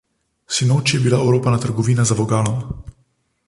Sinoči je bila oropana trgovina za vogalom.